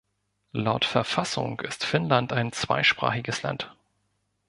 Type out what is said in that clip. Laut Verfassung ist Finnland ein zweisprachiges Land.